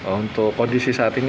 untuk kondisi saat ini